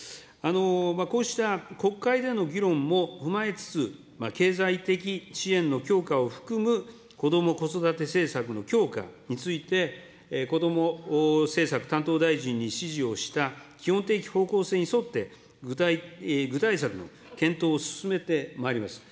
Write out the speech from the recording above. こうした国会での議論も踏まえつつ、経済的支援の強化を含むこども・子育て政策の強化について、こども政策担当大臣に指示をした基本的方向性に沿って、具体策の検討を進めてまいります。